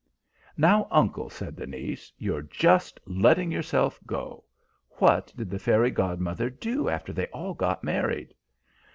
"Now, uncle," said the niece, "you're just letting yourself go. What did the fairy godmother do after they all got married?"